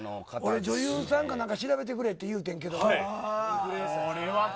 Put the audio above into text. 女優さんか何か調べてくれ言うたんやけど。